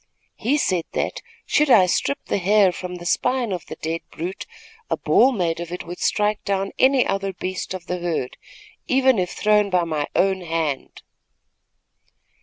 He said that, should I strip the hair from the spine of the dead brute, a ball made of it would strike down any other beast of the herd, even if thrown by my own hand."